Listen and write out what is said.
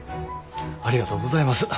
ありがとうございます。